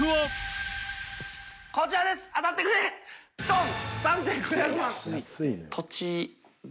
こちらです当たってくれドン！